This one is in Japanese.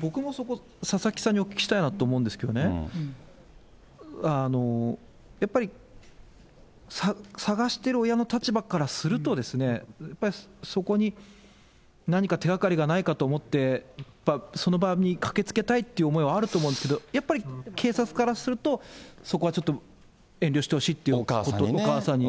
僕もそこ、佐々木さんにお聞きしたいなと思うんですけれどもね、やっぱり、捜してる親の立場からすると、やっぱりそこに何か手がかりがないかと思って、その場に駆けつけたいという思いはあると思うんですけど、やっぱり警察からすると、そこはちょっと遠慮してほしいというか、お母さんに。